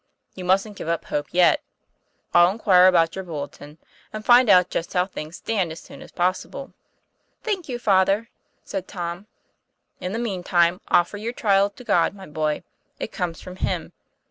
You mustn't give up hope yet. I'll in quire about your bulletin, and find out just how things stand, as soon as possible." "Thank you, Father," said Tom. * In the mean time, offer your trial to God, my Doy. It comes from Him.